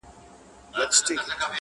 ږغ مي ټول کلی مالت سي اورېدلای!!